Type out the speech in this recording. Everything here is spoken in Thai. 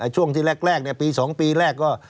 ช่วงที่แรกปี๒ปีแรกก็